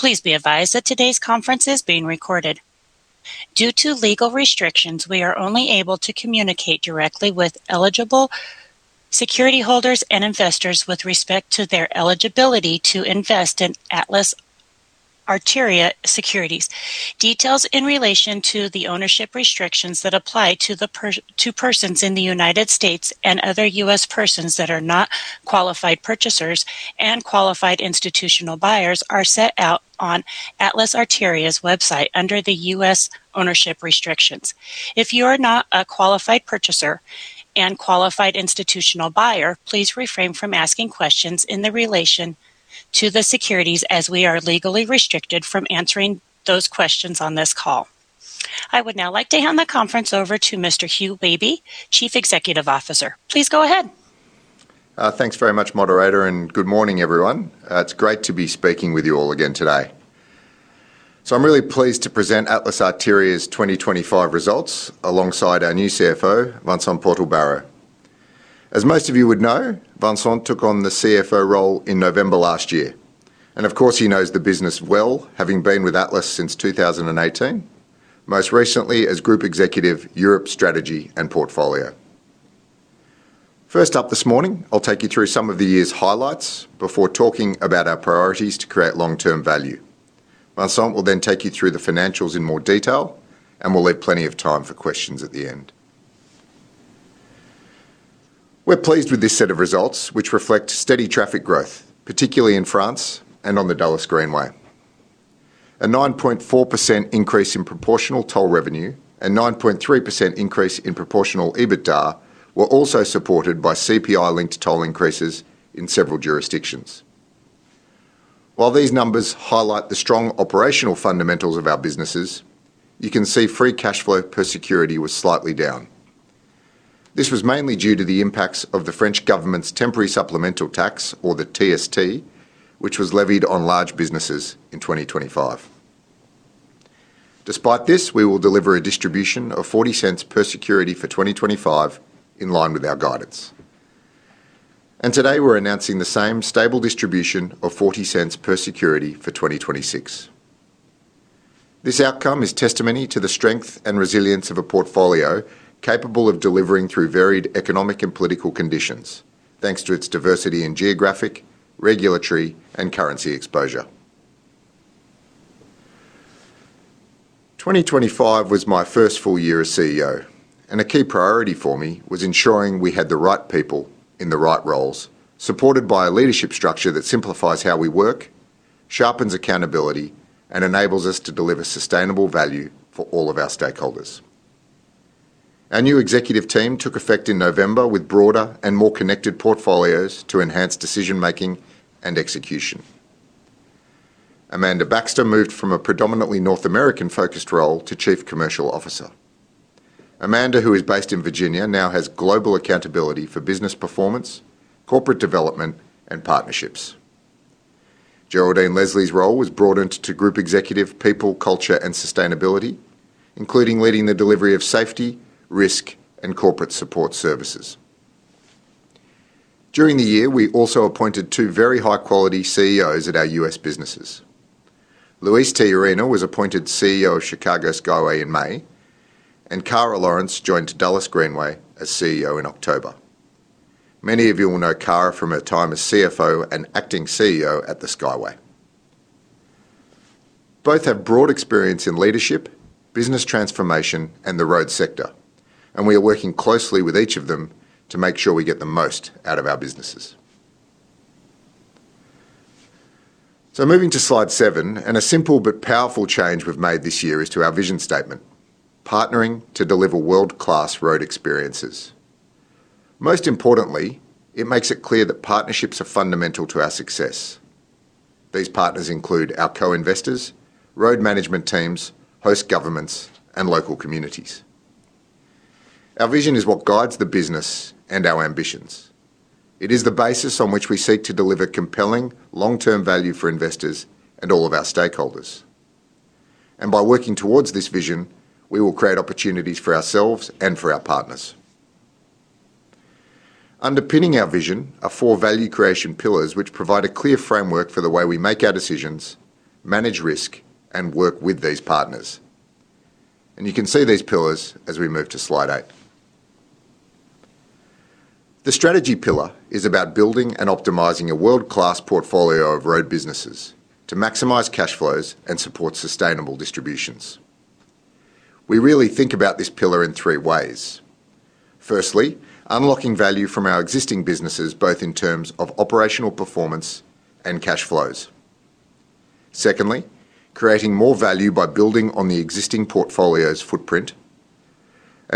Please be advised that today's conference is being recorded. Due to legal restrictions, we are only able to communicate directly with eligible security holders and investors with respect to their eligibility to invest in Atlas Arteria Securities. Details in relation to the ownership restrictions that apply to persons in the United States and other U.S. persons that are not qualified purchasers and qualified institutional buyers are set out on Atlas Arteria's website under the U.S. Ownership Restrictions. If you are not a qualified purchaser and qualified institutional buyer, please refrain from asking questions in the relation to securities, as we are legally restricted from answering those questions on this call. I would now like to hand the conference over to Mr. Hugh Wehby, Chief Executive Officer. Please go ahead. Thanks very much, Operator, good morning, everyone. It's great to be speaking with you all again today. I'm really pleased to present Atlas Arteria's 2025 results alongside our new CFO, Vincent Portal-Barrault. As most of you would know, Vincent took on the CFO role in November last year, and of course, he knows the business well, having been with Atlas since 2018. Most recently as Group Executive, Europe Strategy and Portfolio. First up this morning, I'll take you through some of the year's highlights before talking about our priorities to create long-term value. Vincent will take you through the financials in more detail, and we'll leave plenty of time for questions at the end. We're pleased with this set of results, which reflect steady traffic growth, particularly in France and on the Dulles Greenway. A 9.4% increase in proportional toll revenue and 9.3% increase in proportional EBITDA were also supported by CPI-linked toll increases in several jurisdictions. While these numbers highlight the strong operational fundamentals of our businesses, you can see free cash flow per security was slightly down. This was mainly due to the impacts of the French government's temporary supplemental tax, or the TST, which was levied on large businesses in 2025. Despite this, we will deliver a distribution of 0.40 per security for 2025, in line with our guidance. Today we're announcing the same stable distribution of 0.40 per security for 2026. This outcome is testimony to the strength and resilience of a portfolio capable of delivering through varied economic and political conditions, thanks to its diversity in geographic, regulatory, and currency exposure. 2025 was my first full year as CEO. A key priority for me was ensuring we had the right people in the right roles, supported by a leadership structure that simplifies how we work, sharpens accountability, and enables us to deliver sustainable value for all of our stakeholders. Our new executive team took effect in November with broader and more connected portfolios to enhance decision-making and execution. Amanda Baxter moved from a predominantly North American-focused role to Chief Commercial Officer. Amanda, who is based in Virginia, now has global accountability for business performance, corporate development, and partnerships. Geraldine Leslie's role was broadened to Group Executive, People, Culture, and Sustainability, including leading the delivery of safety, risk, and corporate support services. During the year, we also appointed two very high-quality CEOs at our U.S. businesses. Luis Tejerina was appointed CEO of Chicago Skyway in May, and Kara Lawrence joined Dulles Greenway as CEO in October. Many of you will know Kara from her time as CFO and acting CEO at the Skyway. Both have broad experience in leadership, business transformation, and the road sector, and we are working closely with each of them to make sure we get the most out of our businesses. Moving to slide 7, a simple but powerful change we've made this year is to our vision statement: Partnering to deliver world-class road experiences. Most importantly, it makes it clear that partnerships are fundamental to our success. These partners include our co-investors, road management teams, host governments, and local communities. Our vision is what guides the business and our ambitions. It is the basis on which we seek to deliver compelling, long-term value for investors and all of our stakeholders. By working towards this vision, we will create opportunities for ourselves and for our partners. Underpinning our vision are four value creation pillars, which provide a clear framework for the way we make our decisions, manage risk, and work with these partners. You can see these pillars as we move to slide 8. The strategy pillar is about building and optimizing a world-class portfolio of road businesses to maximize cash flows and support sustainable distributions. We really think about this pillar in three ways. Firstly, unlocking value from our existing businesses, both in terms of operational performance and cash flows. Secondly, creating more value by building on the existing portfolio's footprint.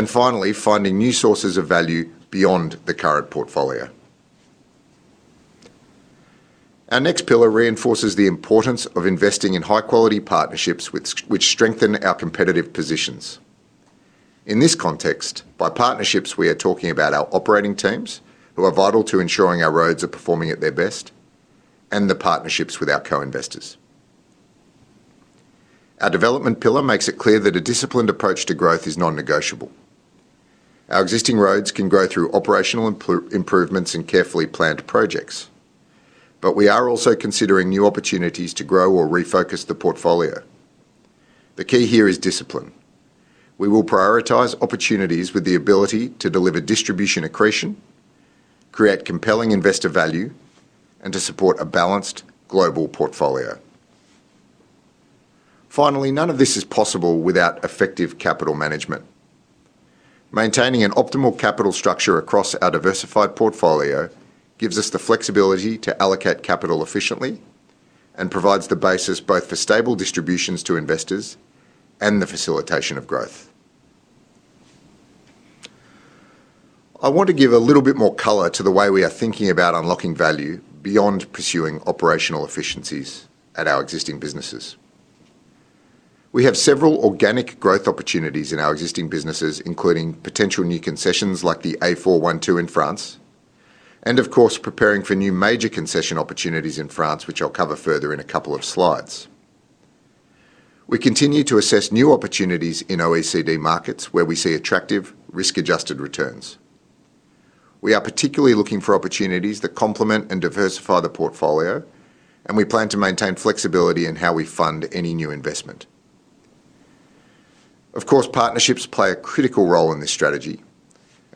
Finally, finding new sources of value beyond the current portfolio. Our next pillar reinforces the importance of investing in high-quality partnerships which strengthen our competitive positions. In this context, by partnerships, we are talking about our operating teams, who are vital to ensuring our roads are performing at their best, and the partnerships with our co-investors. Our development pillar makes it clear that a disciplined approach to growth is non-negotiable. Our existing roads can grow through operational improvements and carefully planned projects, but we are also considering new opportunities to grow or refocus the portfolio. The key here is discipline. We will prioritize opportunities with the ability to deliver distribution accretion, create compelling investor value, and to support a balanced global portfolio. Finally, none of this is possible without effective capital management. Maintaining an optimal capital structure across our diversified portfolio gives us the flexibility to allocate capital efficiently and provides the basis both for stable distributions to investors and the facilitation of growth. I want to give a little bit more color to the way we are thinking about unlocking value beyond pursuing operational efficiencies at our existing businesses. We have several organic growth opportunities in our existing businesses, including potential new concessions like the A412 in France, and of course, preparing for new major concession opportunities in France, which I'll cover further in a couple of slides. We continue to assess new opportunities in OECD markets where we see attractive risk-adjusted returns. We are particularly looking for opportunities that complement and diversify the portfolio, and we plan to maintain flexibility in how we fund any new investment. Of course, partnerships play a critical role in this strategy.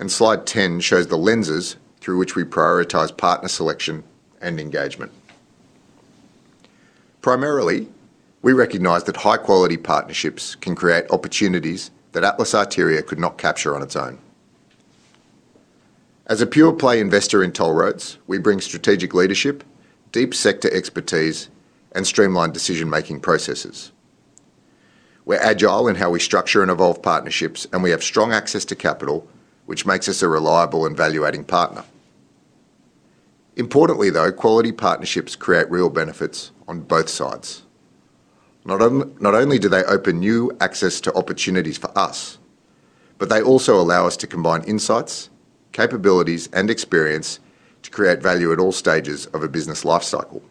Slide 10 shows the lenses through which we prioritize partner selection and engagement. Primarily, we recognize that high-quality partnerships can create opportunities that Atlas Arteria could not capture on its own. As a pure-play investor in toll roads, we bring strategic leadership, deep sector expertise, and streamlined decision-making processes. We're agile in how we structure and evolve partnerships, and we have strong access to capital, which makes us a reliable and value-adding partner. Importantly, though, quality partnerships create real benefits on both sides. Not only do they open new access to opportunities for us, but they also allow us to combine insights, capabilities, and experience to create value at all stages of a business life cycle.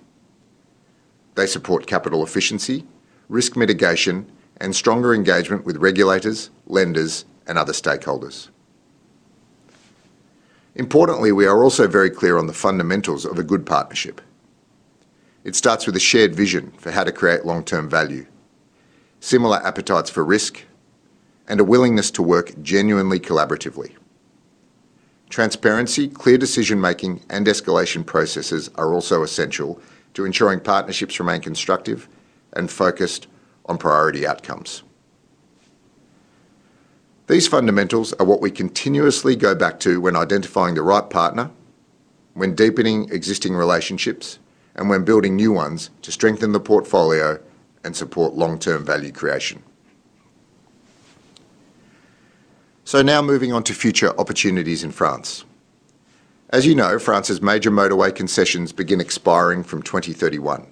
They support capital efficiency, risk mitigation, and stronger engagement with regulators, lenders, and other stakeholders. Importantly, we are also very clear on the fundamentals of a good partnership. It starts with a shared vision for how to create long-term value, similar appetites for risk, and a willingness to work genuinely collaboratively. Transparency, clear decision-making, and escalation processes are also essential to ensuring partnerships remain constructive and focused on priority outcomes. These fundamentals are what we continuously go back to when identifying the right partner, when deepening existing relationships, and when building new ones to strengthen the portfolio and support long-term value creation. Now moving on to future opportunities in France. As you know, France's major motorway concessions begin expiring from 2031,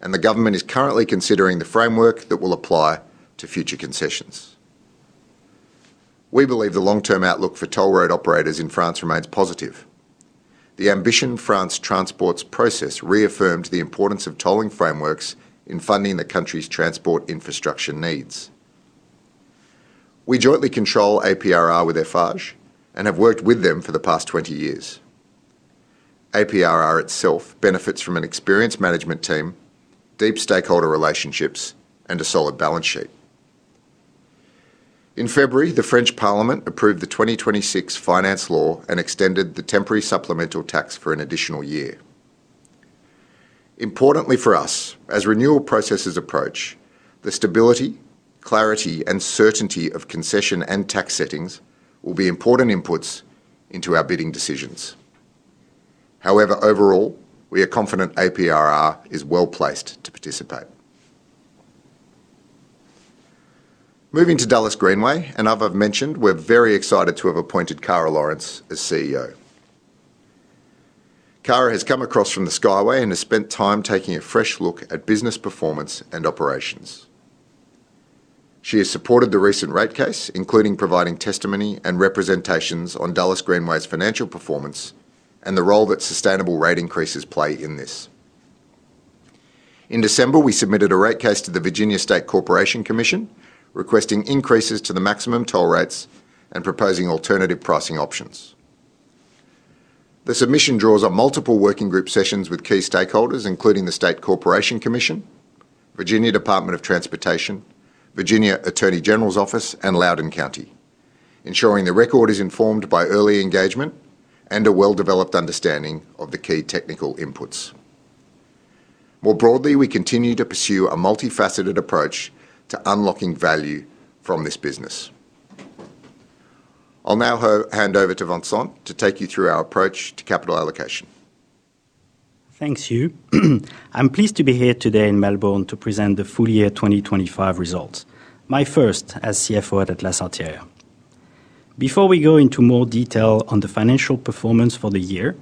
and the government is currently considering the framework that will apply to future concessions. We believe the long-term outlook for toll road operators in France remains positive. The Ambition France Transports process reaffirmed the importance of tolling frameworks in funding the country's transport infrastructure needs. We jointly control APRR with Eiffage and have worked with them for the past 20 years. APRR itself benefits from an experienced management team, deep stakeholder relationships, and a solid balance sheet. In February, the French Parliament approved the 2026 Finance Law and extended the temporary supplemental tax for an additional year. Importantly for us, as renewal processes approach, the stability, clarity, and certainty of concession and tax settings will be important inputs into our bidding decisions. Overall, we are confident APRR is well-placed to participate. Moving to Dulles Greenway, as I've mentioned, we're very excited to have appointed Kara Lawrence as CEO. Kara has come across from the Skyway and has spent time taking a fresh look at business performance and operations. She has supported the recent rate case, including providing testimony and representations on Dulles Greenway's financial performance and the role that sustainable rate increases play in this. In December, we submitted a rate case to the Virginia State Corporation Commission, requesting increases to the maximum toll rates and proposing alternative pricing options. The submission draws on multiple working group sessions with key stakeholders, including the State Corporation Commission, Virginia Department of Transportation, Virginia Attorney General's Office, and Loudoun County, ensuring the record is informed by early engagement and a well-developed understanding of the key technical inputs. More broadly, we continue to pursue a multifaceted approach to unlocking value from this business. I'll now hand over to Vincent to take you through our approach to capital allocation. Thanks, Hugh. I'm pleased to be here today in Melbourne to present the full year 2025 results, my first as CFO at Atlas Arteria. Before we go into more detail on the financial performance for the year,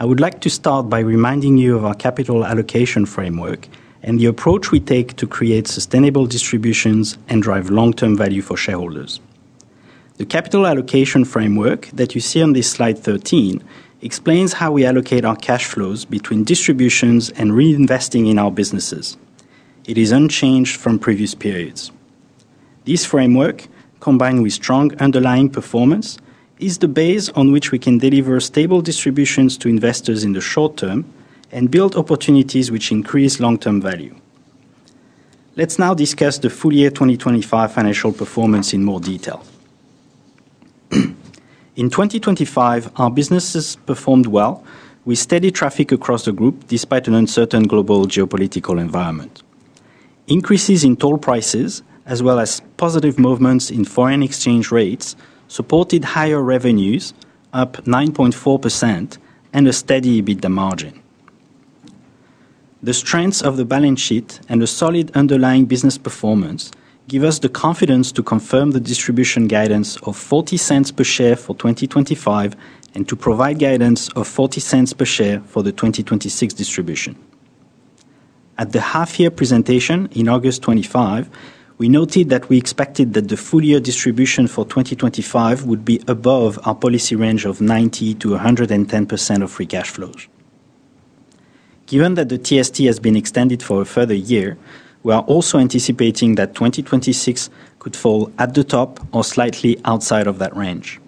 I would like to start by reminding you of our capital allocation framework and the approach we take to create sustainable distributions and drive long-term value for shareholders. The capital allocation framework that you see on this slide 13 explains how we allocate our cash flows between distributions and reinvesting in our businesses. It is unchanged from previous periods. This framework, combined with strong underlying performance, is the base on which we can deliver stable distributions to investors in the short term and build opportunities which increase long-term value. Let's now discuss the full year 2025 financial performance in more detail. In 2025, our businesses performed well, with steady traffic across the group, despite an uncertain global geopolitical environment. Increases in toll prices, as well as positive movements in foreign exchange rates, supported higher revenues, up 9.4%, and a steady EBITDA margin. The strengths of the balance sheet and a solid underlying business performance give us the confidence to confirm the distribution guidance of 0.40 per share for 2025, and to provide guidance of 0.40 per share for the 2026 distribution. At the half year presentation in August 2025, we noted that we expected that the full year distribution for 2025 would be above our policy range of 90%-110% of free cash flows. Given that the TST has been extended for a further year, we are also anticipating that 2026 could fall at the top or slightly outside of that range.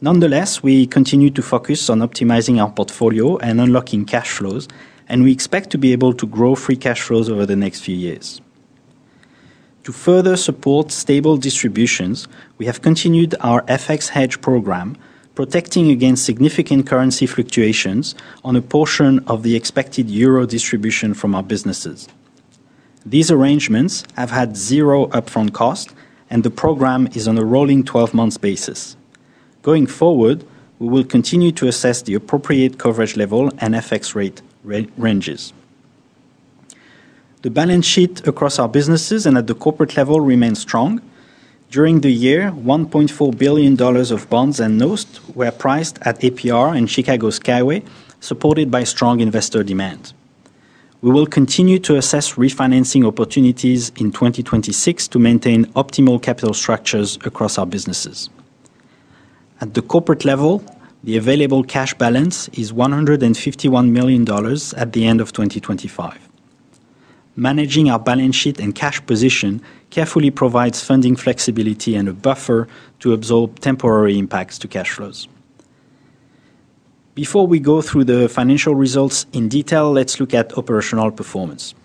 Nonetheless, we continue to focus on optimizing our portfolio and unlocking cash flows. We expect to be able to grow free cash flows over the next few years. To further support stable distributions, we have continued our FX-Hedge Program, protecting against significant currency fluctuations on a portion of the expected EUR distribution from our businesses. These arrangements have had zero upfront cost. The program is on a rolling 12-month basis. Going forward, we will continue to assess the appropriate coverage level and FX rate ranges. The balance sheet across our businesses and at the corporate level remains strong. During the year, 1.4 billion dollars of bonds and notes were priced at APRR and Chicago Skyway, supported by strong investor demand. We will continue to assess refinancing opportunities in 2026 to maintain optimal capital structures across our businesses. At the corporate level, the available cash balance is 151 million dollars at the end of 2025. Managing our balance sheet and cash position carefully provides funding flexibility and a buffer to absorb temporary impacts to cash flows. Before we go through the financial results in detail, let's look at operational performance.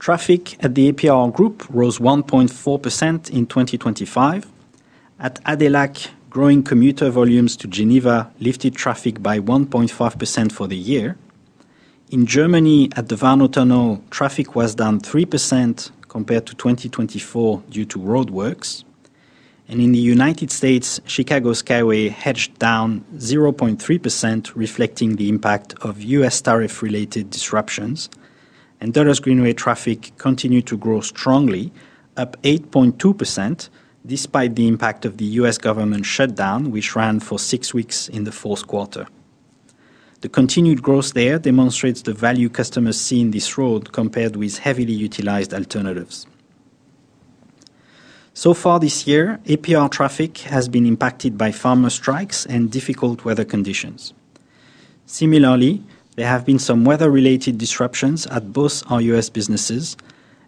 Traffic at the APRR Group rose 1.4% in 2025. At ADELAC, growing commuter volumes to Geneva lifted traffic by 1.5% for the year. In Germany, at the Warnow Tunnel, traffic was down 3% compared to 2024 due to roadworks. In the United States, Chicago Skyway edged down 0.3%, reflecting the impact of U.S. tariff-related disruptions. Dulles Greenway traffic continued to grow strongly, up 8.2%, despite the impact of the U.S. government shutdown, which ran for six weeks in the fourth quarter. The continued growth there demonstrates the value customers see in this road compared with heavily utilized alternatives. So far this year, APRR traffic has been impacted by farmer strikes and difficult weather conditions. There have been some weather-related disruptions at both our U.S. businesses,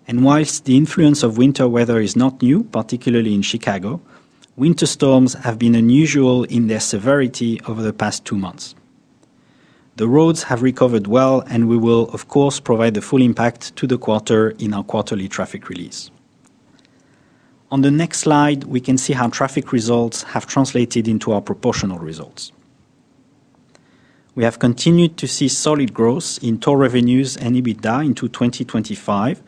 and whilst the influence of winter weather is not new, particularly in Chicago, winter storms have been unusual in their severity over the past two months. The roads have recovered well, and we will, of course, provide the full impact to the quarter in our quarterly traffic release. On the next slide, we can see how traffic results have translated into our proportional results. We have continued to see solid growth in toll revenues and EBITDA into 2025,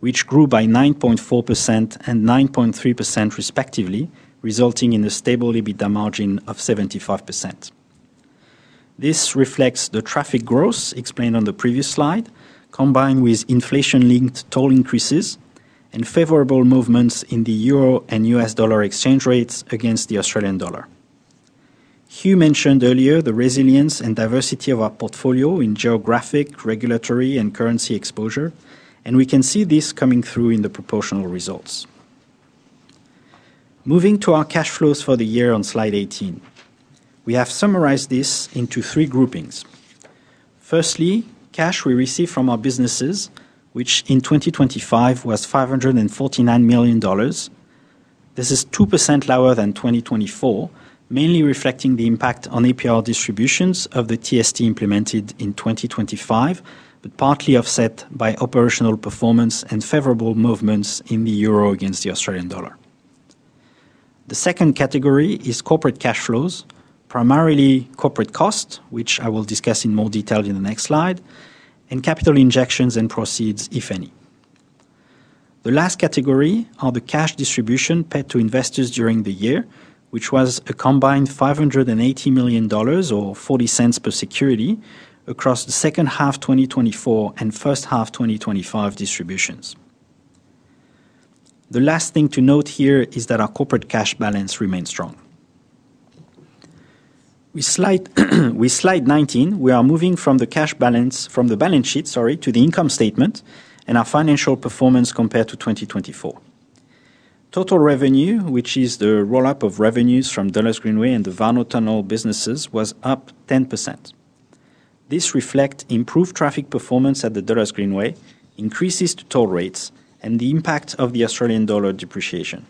which grew by 9.4% and 9.3%, respectively, resulting in a stable EBITDA margin of 75%. This reflects the traffic growth explained on the previous slide, combined with inflation-linked toll increases and favorable movements in the euro and US dollar exchange rates against the Australian dollar. Hugh mentioned earlier the resilience and diversity of our portfolio in geographic, regulatory, and currency exposure, and we can see this coming through in the proportional results. Moving to our cash flows for the year on slide 18. We have summarized this into three groupings. Firstly, cash we received from our businesses, which in 2025 was 549 million dollars. This is 2% lower than 2024, mainly reflecting the impact on APRR distributions of the TST implemented in 2025, partly offset by operational performance and favorable movements in the euro against the Australian dollar. The second category is corporate cash flows, primarily corporate costs, which I will discuss in more detail in the next slide, and capital injections and proceeds, if any. The last category are the cash distribution paid to investors during the year, which was a combined 580 million dollars or 0.40 per security across the second half 2024 and first half 2025 distributions. The last thing to note here is that our corporate cash balance remains strong. With slide 19, we are moving from the cash balance, from the balance sheet, sorry, to the income statement and our financial performance compared to 2024. Total revenue, which is the roll-up of revenues from Dulles Greenway and the Warnow Tunnel businesses, was up 10%. This reflects improved traffic performance at the Dulles Greenway, increases to toll rates, and the impact of the Australian dollar depreciation.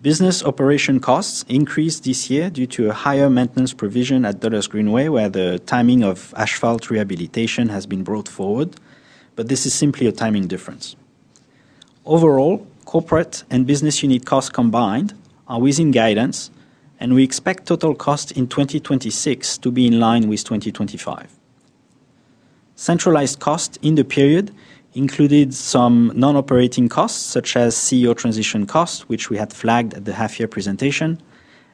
Business operation costs increased this year due to a higher maintenance provision at Dulles Greenway, where the timing of asphalt rehabilitation has been brought forward, but this is simply a timing difference. Overall, corporate and business unit costs combined are within guidance, and we expect total costs in 2026 to be in line with 2025. Centralized costs in the period included some non-operating costs, such as CEO transition costs, which we had flagged at the half-year presentation,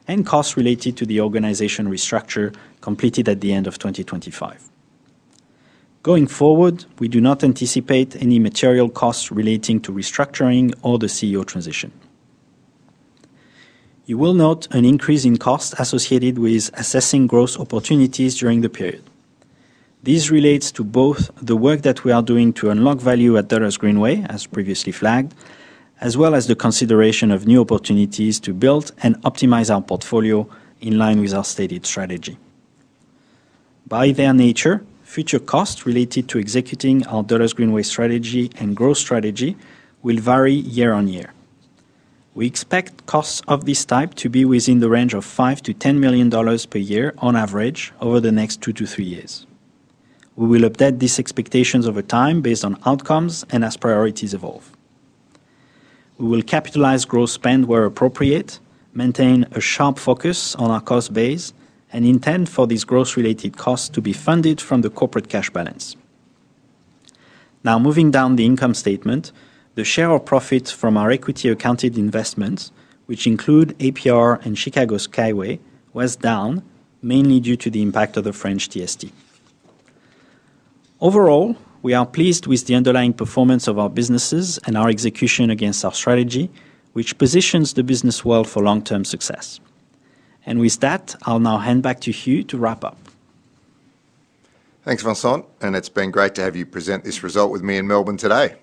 and costs related to the organizational restructure completed at the end of 2025. Going forward, we do not anticipate any material costs relating to restructuring or the CEO transition. You will note an increase in costs associated with assessing growth opportunities during the period. These relate to both the work that we are doing to unlock value at Dulles Greenway, as previously flagged, as well as the consideration of new opportunities to build and optimize our portfolio in line with our stated strategy. By their nature, future costs related to executing our Dulles Greenway strategy and growth strategy will vary year-on-year. We expect costs of this type to be within the range of 5 million-10 million dollars per year on average over the next 2-3 years. We will update these expectations over time based on outcomes and as priorities evolve. We will capitalize growth spend where appropriate, maintain a sharp focus on our cost base, and intend for these growth-related costs to be funded from the corporate cash balance. Now, moving down the income statement, the share of profits from our equity accounted investments, which include APRR and Chicago Skyway, was down, mainly due to the impact of the French TST. Overall, we are pleased with the underlying performance of our businesses and our execution against our strategy, which positions the business well for long-term success. With that, I'll now hand back to Hugh to wrap up. Thanks, Vincent. It's been great to have you present this result with me in Melbourne today.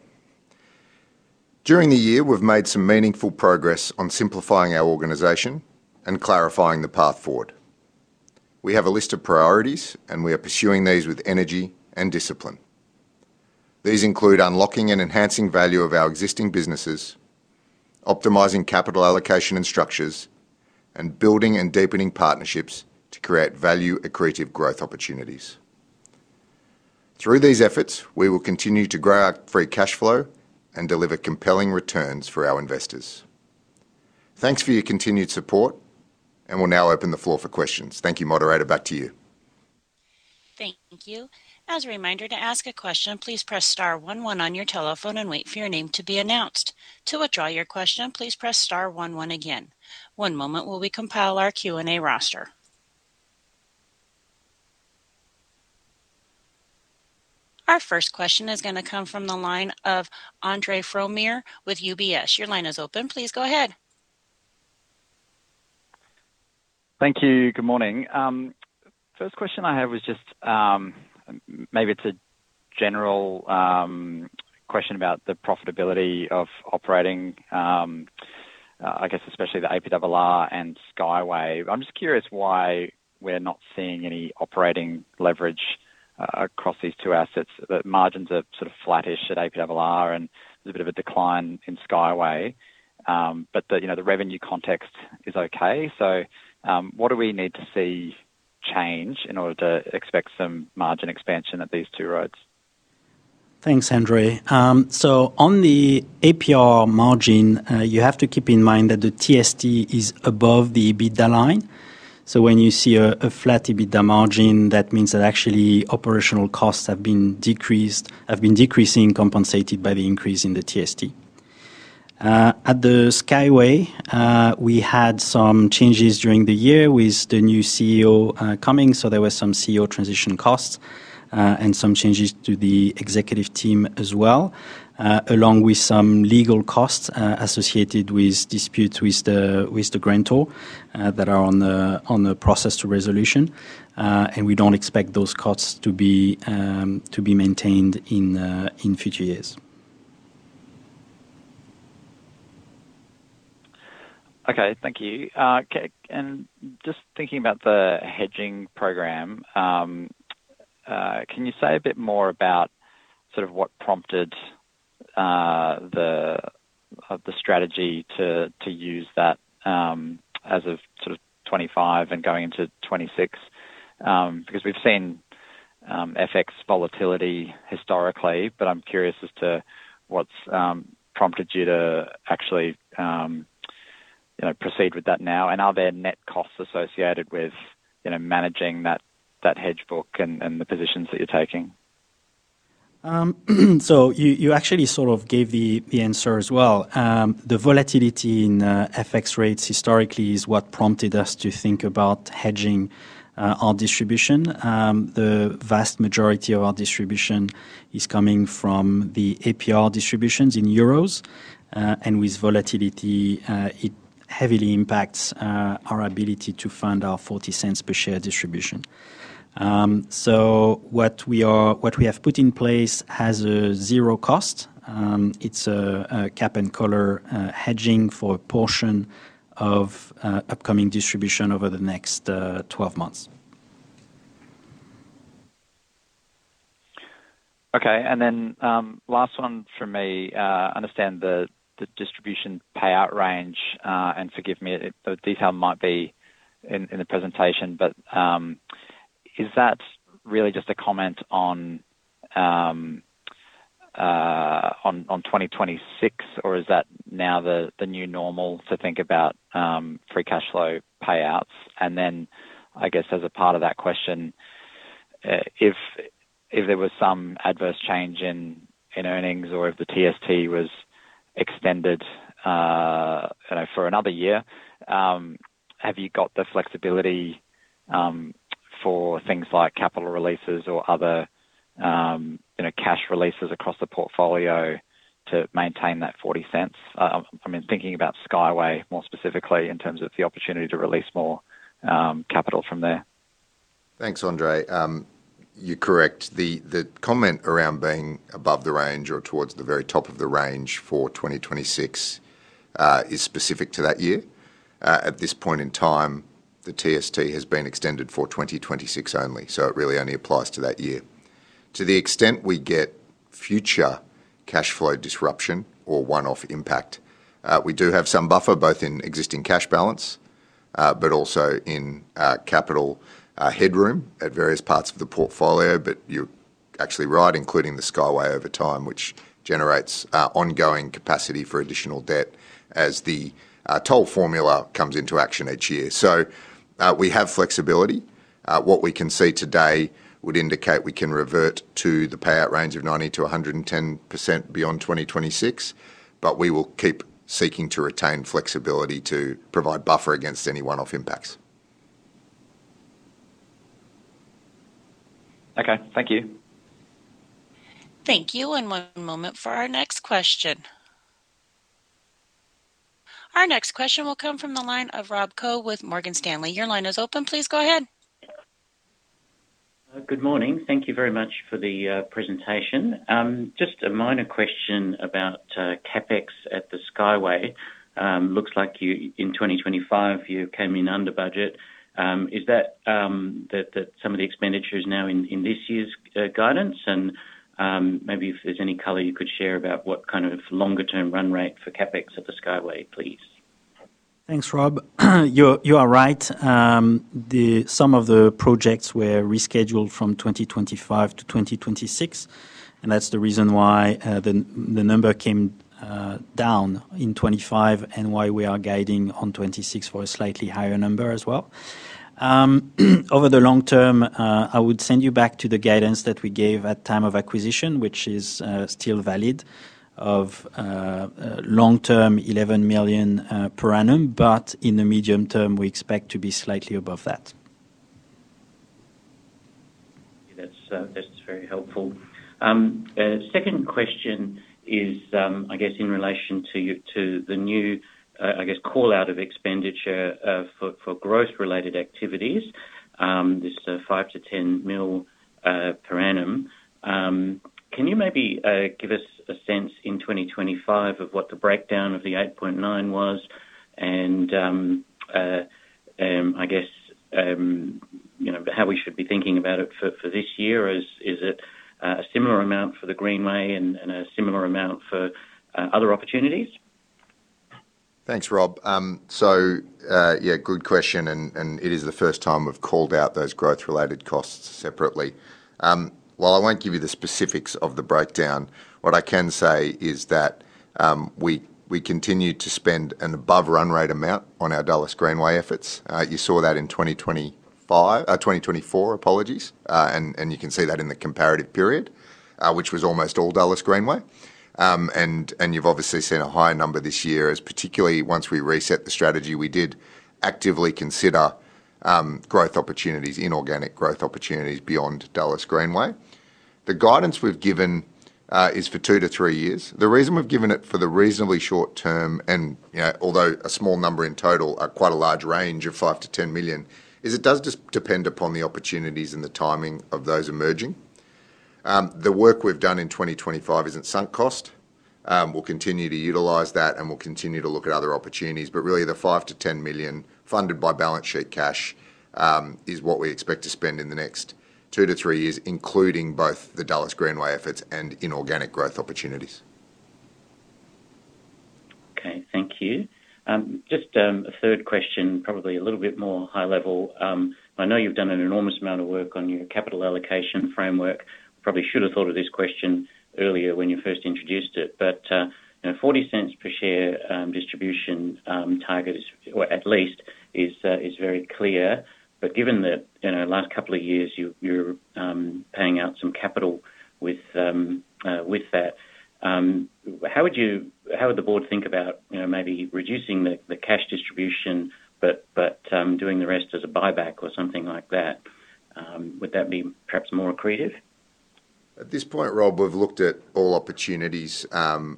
During the year, we've made some meaningful progress on simplifying our organization and clarifying the path forward. We have a list of priorities. We are pursuing these with energy and discipline. These include unlocking and enhancing value of our existing businesses, optimizing capital allocation and structures, and building and deepening partnerships to create value-accretive growth opportunities. Through these efforts, we will continue to grow our free cash flow and deliver compelling returns for our investors. Thanks for your continued support. We'll now open the floor for questions. Thank you, Operator. Back to you. Thank you. As a reminder, to ask a question, please press star one one on your telephone and wait for your name to be announced. To withdraw your question, please press star one one again. One moment while we compile our Q&A roster. Our first question is gonna come from the line of Andre Fromyhr with UBS. Your line is open. Please go ahead. Thank you. Good morning. First question I have is just, maybe it's a general question about the profitability of operating, I guess especially the APRR and Skyway. I'm just curious why we're not seeing any operating leverage across these two assets. The margins are sort of flattish at APRR, and there's a bit of a decline in Skyway. But the, you know, the revenue context is okay. What do we need to see change in order to expect some margin expansion at these two roads? Thanks, Andre. On the APRR margin, you have to keep in mind that the TST is above the EBITDA line. When you see a flat EBITDA margin, that means that actually operational costs have been decreasing, compensated by the increase in the TST. At the Skyway, we had some changes during the year with the new CEO coming, so there were some CEO transition costs and some changes to the executive team as well, along with some legal costs associated with disputes with the grantor that are on the process to resolution. We don't expect those costs to be maintained in future years. Okay. Thank you. Just thinking about the hedging program, can you say a bit more about sort of what prompted the strategy to use that as of sort of 25 and going into 26? We've seen FX volatility historically, but I'm curious as to what's prompted you to actually, you know, proceed with that now. Are there net costs associated with, you know, managing that hedge book and the positions that you're taking? You actually sort of gave the answer as well. The volatility in FX rates historically is what prompted us to think about hedging our distribution. The vast majority of our distribution is coming from the APRR distributions in euros, and with volatility, it heavily impacts our ability to fund our 0.40 per share distribution. What we have put in place has a zero cost. It's a cap and collar hedging for a portion of upcoming distribution over the next 12 months. Okay, last one from me. I understand the distribution payout range, and forgive me if the detail might be in the presentation, but, is that really just a comment on 2026, or is that now the new normal to think about, free cash flow payouts? I guess, as a part of that question, if there was some adverse change in earnings or if the TST was extended, you know, for another year, have you got the flexibility, for things like capital releases or other, you know, cash releases across the portfolio to maintain that 0.40? I mean, thinking about Skyway more specifically, in terms of the opportunity to release more, capital from there. Thanks, Andre. You're correct. The comment around being above the range or towards the very top of the range for 2026 is specific to that year. At this point in time, the TST has been extended for 2026 only, so it really only applies to that year. To the extent we get future cash flow disruption or one-off impact, we do have some buffer, both in existing cash balance, but also in capital headroom at various parts of the portfolio. But you're actually right, including the Skyway over time, which generates ongoing capacity for additional debt as the toll formula comes into action each year. We have flexibility What we can see today would indicate we can revert to the payout range of 90% to 110% beyond 2026. We will keep seeking to retain flexibility to provide buffer against any one-off impacts. Okay, thank you. Thank you, and one moment for our next question. Our next question will come from the line of Rob Koh with Morgan Stanley. Your line is open. Please go ahead. Good morning. Thank you very much for the presentation. Just a minor question about CapEx at the Skyway. Looks like in 2025, you came in under budget. Is that some of the expenditure is now in this year's guidance? Maybe if there's any color you could share about what kind of longer-term run rate for CapEx at the Skyway, please. Thanks, Rob. You are right. Some of the projects were rescheduled from 2025 to 2026, and that's the reason why the number came down in 25 and why we are guiding on 26 for a slightly higher number as well. Over the long term, I would send you back to the guidance that we gave at time of acquisition, which is still valid, of long term, 11 million per annum, but in the medium term, we expect to be slightly above that. That's very helpful. Second question is, I guess in relation to the new, I guess, call out of expenditure for growth-related activities. This is a 5-10 million per annum. Can you maybe give us a sense in 2025 of what the breakdown of the 8.9 was? I guess, you know, how we should be thinking about it for this year, is it a similar amount for the Greenway and a similar amount for other opportunities? Thanks, Rob. Yeah, good question, and it is the first time we've called out those growth-related costs separately. While I won't give you the specifics of the breakdown, what I can say is that we continue to spend an above run rate amount on our Dulles Greenway efforts. You saw that in 2025, 2024, apologies. You can see that in the comparative period, which was almost all Dulles Greenway. You've obviously seen a higher number this year, as particularly once we reset the strategy, we did actively consider growth opportunities, inorganic growth opportunities beyond Dulles Greenway. The guidance we've given is for 2-3 years. The reason we've given it for the reasonably short term, and, you know, although a small number in total, are quite a large range of 5 million-10 million, is it does depend upon the opportunities and the timing of those emerging. The work we've done in 2025 isn't sunk cost. We'll continue to utilize that, and we'll continue to look at other opportunities. Really, the 5 million-10 million funded by balance sheet cash, is what we expect to spend in the next 2-3 years, including both the Dulles Greenway efforts and inorganic growth opportunities. Okay, thank you. Just a third question, probably a little bit more high level. I know you've done an enormous amount of work on your capital allocation framework. Probably should have thought of this question earlier when you first introduced it, but, you know, 0.40 per share distribution target is, well, at least is very clear. Given that, you know, last couple of years, you're paying out some capital with that, how would the board think about, you know, maybe reducing the cash distribution, but doing the rest as a buyback or something like that? Would that be perhaps more accretive? At this point, Rob Koh, we've looked at all opportunities,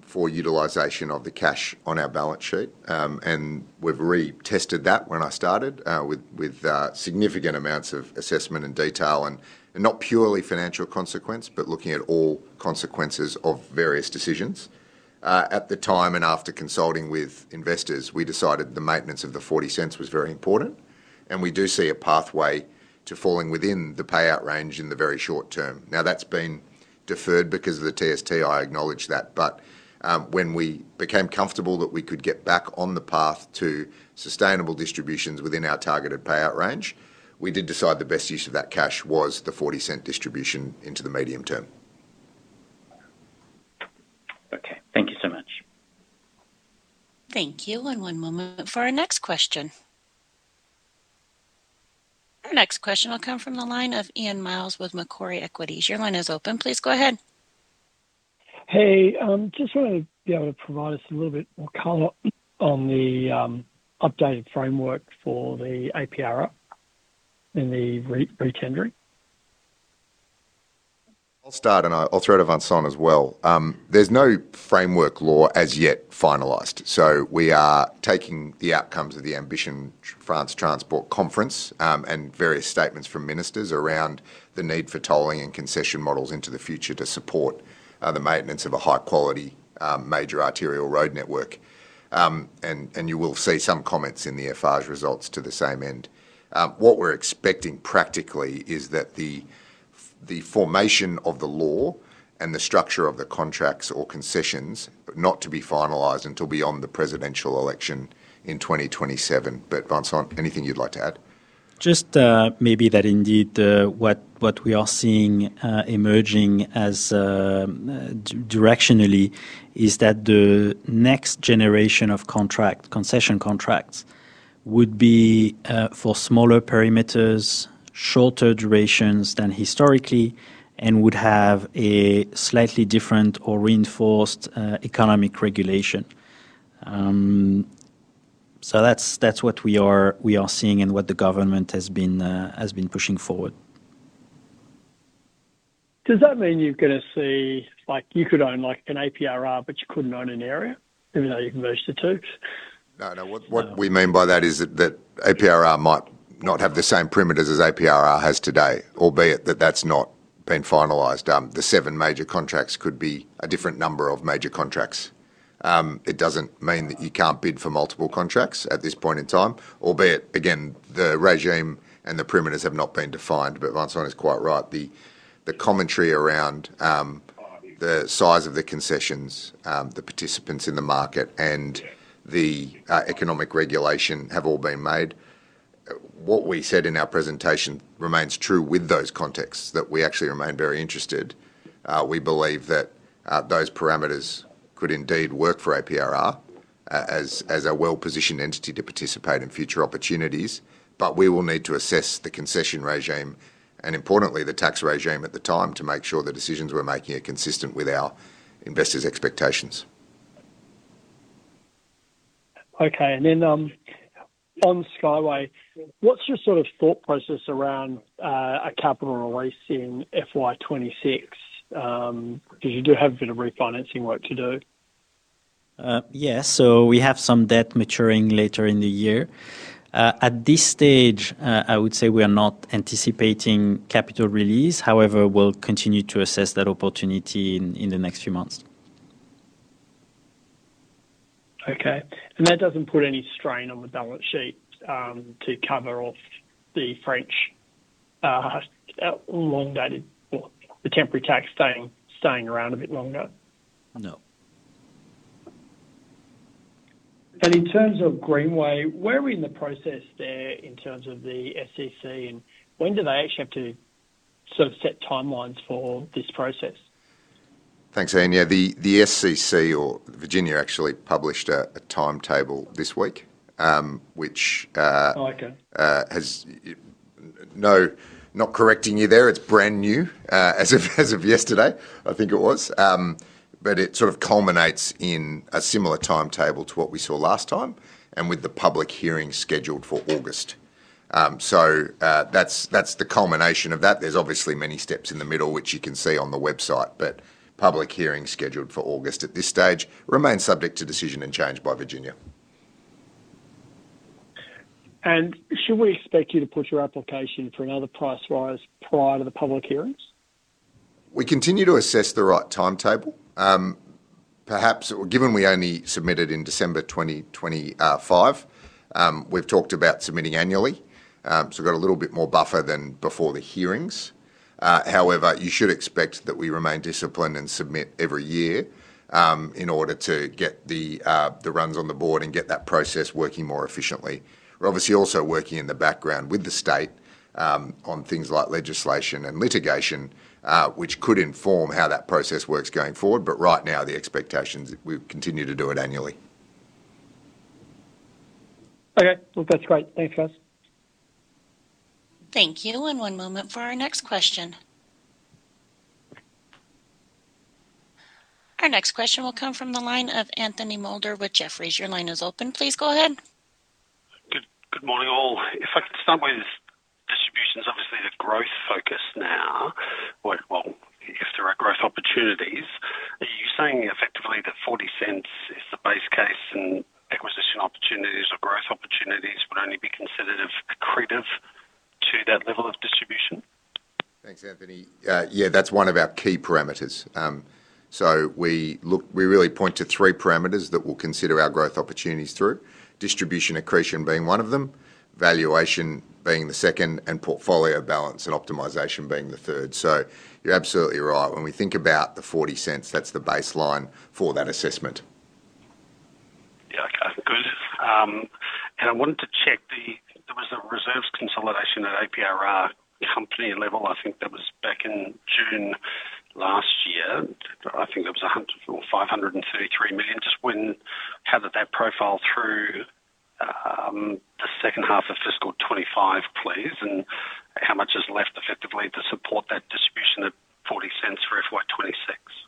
for utilization of the cash on our balance sheet. We've retested that when I started, with significant amounts of assessment and detail, not purely financial consequence, but looking at all consequences of various decisions. At the time, after consulting with investors, we decided the maintenance of the 0.40 was very important, and we do see a pathway to falling within the payout range in the very short term. That's been deferred because of the TST, I acknowledge that. When we became comfortable that we could get back on the path to sustainable distributions within our targeted payout range, we did decide the best use of that cash was the 0.40 distribution into the medium term. Okay, thank you so much. Thank you. One moment for our next question. Our next question will come from the line of Ian Myles with Macquarie Equities. Your line is open. Please go ahead. Hey, just wanted to be able to provide us a little bit more color on the updated framework for the APRR in the re-tendering. I'll start, I'll throw to Vincent as well. There's no framework law as yet finalized, we are taking the outcomes of the Ambition France Transports Conference and various statements from ministers around the need for tolling and concession models into the future to support the maintenance of a high quality major arterial road network. You will see some comments in the APRR's results to the same end. What we're expecting practically is that the formation of the law and the structure of the contracts or concessions, not to be finalized until beyond the presidential election in 2027. Vincent, anything you'd like to add? Just maybe that indeed, what we are seeing emerging as directionally is that the next generation of contract, concession contracts would be for smaller perimeters, shorter durations than historically, and would have a slightly different or reinforced economic regulation. That's what we are seeing and what the government has been pushing forward. Does that mean you're gonna see, like, you could own like an APRR, but you couldn't own an AREA, even though you can merge the two? No, what we mean by that is that APRR might not have the same perimeters as APRR has today, albeit that that's not been finalized. The seven major contracts could be a different number of major contracts. It doesn't mean that you can't bid for multiple contracts at this point in time, albeit, again, the regime and the perimeters have not been defined. Vincent is quite right, the commentary around the size of the concessions, the participants in the market and the economic regulation have all been made. What we said in our presentation remains true with those contexts, that we actually remain very interested. We believe that those parameters could indeed work for APRR as a well-positioned entity to participate in future opportunities. We will need to assess the concession regime, and importantly, the tax regime at the time, to make sure the decisions we're making are consistent with our investors' expectations. Okay, and then, on Skyway, what's your sort of thought process around a capital release in FY 2026? 'Cause you do have a bit of refinancing work to do. Yeah. We have some debt maturing later in the year. At this stage, I would say we are not anticipating capital release. However, we'll continue to assess that opportunity in the next few months. Okay. That doesn't put any strain on the balance sheet to cover off the French elongated or the temporary tax staying around a bit longer? No. In terms of Greenway, where are we in the process there in terms of the SCC, and when do they actually have to sort of set timelines for this process? Thanks, Ian. Yeah, the SCC or Virginia actually published a timetable this week. Oh, okay. Has, no, not correcting you there. It's brand new, as of yesterday, I think it was. It sort of culminates in a similar timetable to what we saw last time and with the public hearing scheduled for August. That's the culmination of that. There's obviously many steps in the middle, which you can see on the website, but public hearing scheduled for August at this stage remains subject to decision and change by Virginia. Should we expect you to put your application for another price rise prior to the public hearings? We continue to assess the right timetable. Perhaps, given we only submitted in December 2025, we've talked about submitting annually. We've got a little bit more buffer than before the hearings. You should expect that we remain disciplined and submit every year, in order to get the runs on the board and get that process working more efficiently. We're obviously also working in the background with the state on things like legislation and litigation, which could inform how that process works going forward, but right now, the expectations, we've continued to do it annually. Okay. That's great. Thank you, guys. Thank you. One moment for our next question. Our next question will come from the line of Anthony Moulder with Jefferies. Your line is open. Please go ahead. Good morning, all. If I could start with distributions, obviously the growth focus now, well, if there are growth opportunities, are you saying effectively that 0.40 is the base case, and acquisition opportunities or growth opportunities would only be considered of accretive to that level of distribution? Thanks, Anthony. Yeah, that's one of our key parameters. We really point to three parameters that we'll consider our growth opportunities through: distribution accretion being one of them, valuation being the second, and portfolio balance and optimization being the third. You're absolutely right. When we think about the 0.40, that's the baseline for that assessment. Yeah, okay, good. I wanted to check the, there was a reserves consolidation at APRR company level, I think that was back in June last year. I think there was 100 million or 533 million. Just when, how did that profile through the second half of FY 2025, please? How much is left effectively to support that distribution at 0.40 for FY 2026?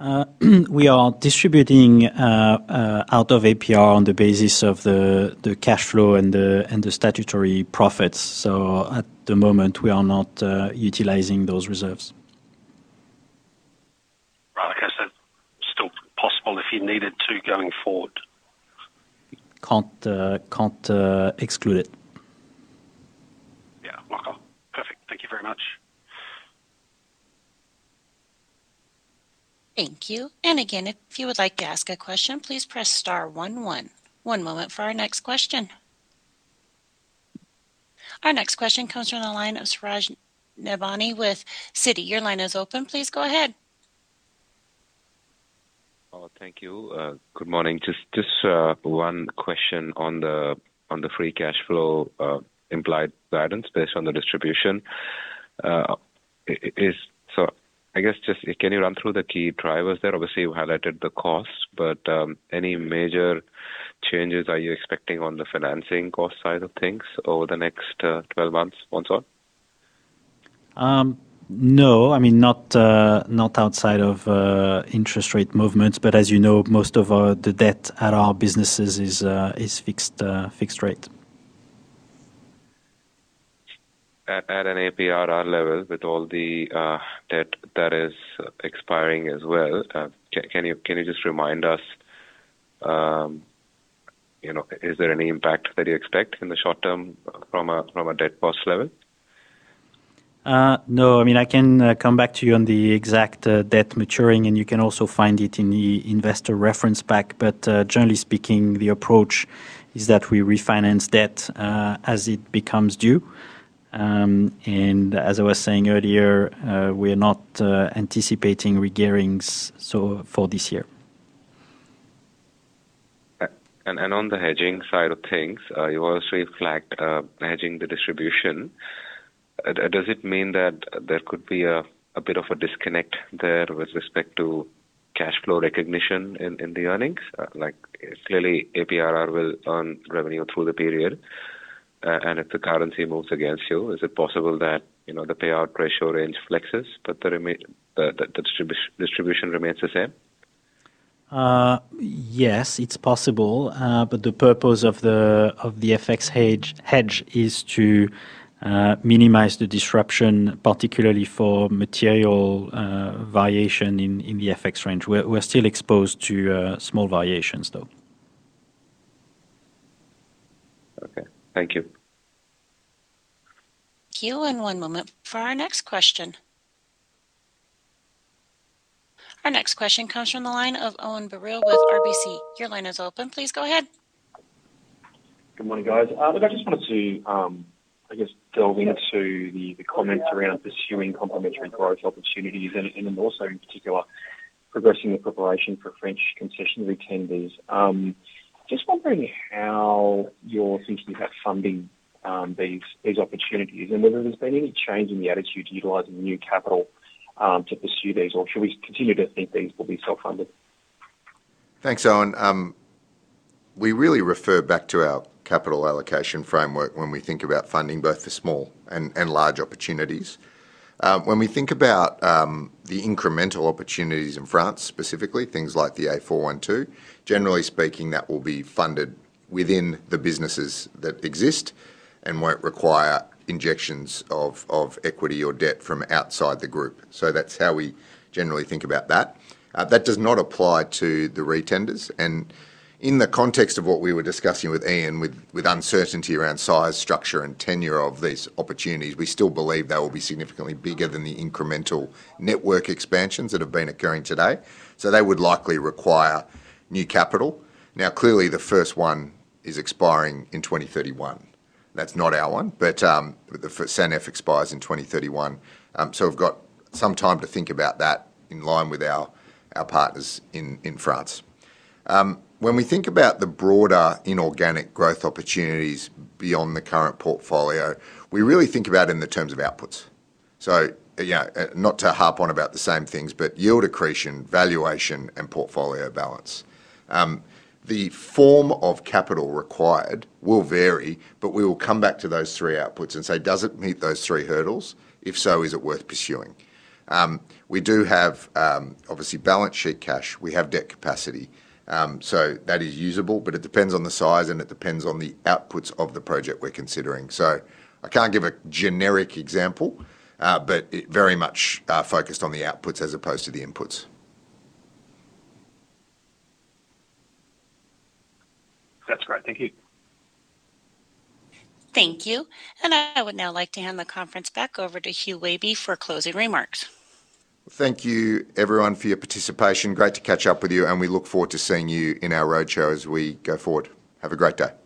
We are distributing out of APRR on the basis of the cash flow and the, and the statutory profits. At the moment, we are not utilizing those reserves. Right. Okay, so it's still possible if you needed to, going forward? Can't exclude it. Yeah. Well, cool. Perfect. Thank you very much. Thank you. Again, if you would like to ask a question, please press star one one. One moment for our next question. Our next question comes from the line of Suraj Nebhani with Citi. Your line is open. Please go ahead. Thank you. Good morning. Just one question on the free cash flow implied guidance based on the distribution. I guess just, can you run through the key drivers there? Obviously, you highlighted the costs, but any major changes are you expecting on the financing cost side of things over the next 12 months on? No. I mean, not outside of interest rate movements, but as you know, most of our, the debt at our businesses is fixed rate. At an APRR level, with all the debt that is expiring as well, can you just remind us, you know, is there any impact that you expect in the short term from a debt cost level? No. I mean, I can come back to you on the exact debt maturing, and you can also find it in the investor reference pack. Generally speaking, the approach is that we refinance debt as it becomes due. As I was saying earlier, we are not anticipating regearing so for this year. On the hedging side of things, you also flagged hedging the distribution. Does it mean that there could be a bit of a disconnect there with respect to cash flow recognition in the earnings? Like, clearly, APRR will earn revenue through the period, and if the currency moves against you, is it possible that, you know, the payout ratio range flexes, but the distribution remains the same? Yes, it's possible. The purpose of the FX hedge is to minimize the disruption, particularly for material variation in the FX range. We're still exposed to small variations, though. Okay. Thank you. Thank you, and one moment for our next question. Our next question comes from the line of Owen Birrell with RBC. Your line is open. Please go ahead. Good morning, guys. Look, I just wanted to, I guess, delve into the comments around pursuing complementary growth opportunities and then also, in particular, progressing the preparation for French concessionary tenders. Just wondering how you're thinking about funding these opportunities, and whether there's been any change in the attitude to utilizing new capital to pursue these, or should we continue to think these will be self-funded? Thanks, Owen. We really refer back to our capital allocation framework when we think about funding both the small and large opportunities. When we think about the incremental opportunities in France, specifically, things like the A412, generally speaking, that will be funded within the businesses that exist and won't require injections of equity or debt from outside the group. That's how we generally think about that. That does not apply to the retenders. In the context of what we were discussing with Ian, with uncertainty around size, structure, and tenure of these opportunities, we still believe they will be significantly bigger than the incremental network expansions that have been occurring today. They would likely require new capital. Now, clearly, the first one is expiring in 2031. That's not our one, but the Sanef expires in 2031. We've got some time to think about that in line with our partners in France. When we think about the broader inorganic growth opportunities beyond the current portfolio, we really think about it in the terms of outputs. You know, not to harp on about the same things, but yield accretion, valuation, and portfolio balance. The form of capital required will vary, but we will come back to those three outputs and say: Does it meet those three hurdles? If so, is it worth pursuing? We do have, obviously, balance sheet cash. We have debt capacity. That is usable, but it depends on the size, and it depends on the outputs of the project we're considering. I can't give a generic example, but it very much focused on the outputs as opposed to the inputs. That's great. Thank you. Thank you. I would now like to hand the conference back over to Hugh Wehby for closing remarks. Thank you, everyone, for your participation. Great to catch up with you, and we look forward to seeing you in our roadshow as we go forward. Have a great day.